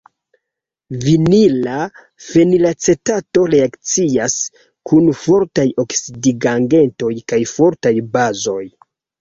Vinila fenilacetato reakcias kun fortaj oksidigagentoj kaj fortaj bazoj.